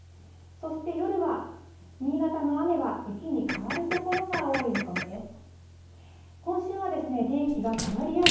そして夜は、新潟の雨は雪に変わる所が多い見込みです。